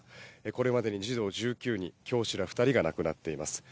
これまでに児童１９人教師ら２人が亡くなっています。